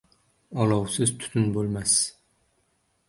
• Olovsiz tutun bo‘lmas.